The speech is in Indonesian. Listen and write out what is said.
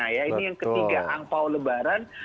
ini yang ketiga angpau lebaran